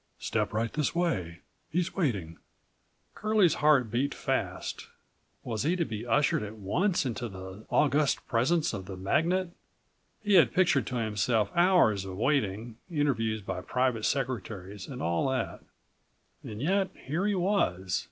"Step right this way. He's waiting." Curlie's heart beat fast. Was he to be ushered at once into the august presence of the magnate? He had pictured to himself hours of waiting, interviews by private secretaries and all that. And yet here he was.